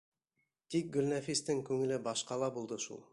Тик Гөлнәфистең күңеле башҡала булды шул.